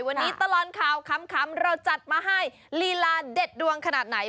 วันนี้ตลอดข่าวขำเราจัดมาให้ลีลาเด็ดดวงขนาดไหน